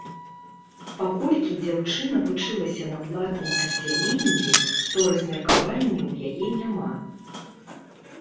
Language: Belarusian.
Паколькі дзяўчына вучылася на платным аддзяленні, то размеркавання ў яе няма.